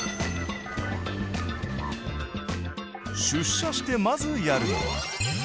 出社してまずやるのは。